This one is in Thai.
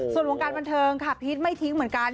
ส่วนวงการบันเทิงค่ะพีชไม่ทิ้งเหมือนกัน